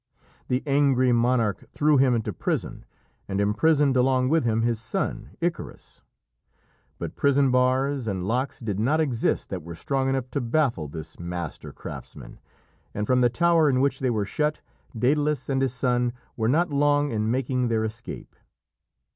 The angry monarch threw him into prison, and imprisoned along with him his son, Icarus. But prison bars and locks did not exist that were strong enough to baffle this master craftsman, and from the tower in which they were shut, Dædalus and his son were not long in making their escape.